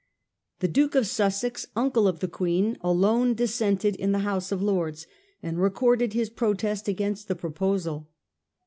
The Duke of Sussex, uncle of the Queen, alone dissented in the House of Lords, and recorded his protest against the proposal.